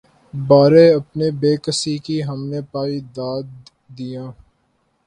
بارے‘ اپنی بیکسی کی ہم نے پائی داد‘ یاں